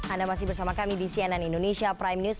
anda masih bersama kami di cnn indonesia prime news